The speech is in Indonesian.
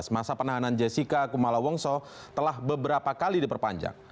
masa penahanan jessica kumala wongso telah beberapa kali diperpanjang